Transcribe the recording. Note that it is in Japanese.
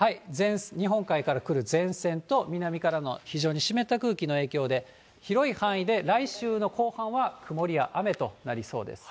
日本海から来る前線と、南からの非常に湿った空気の影響で、広い範囲で来週の後半は曇りや雨となりそうです。